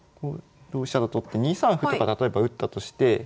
同飛車と取って２三歩とか例えば打ったとして。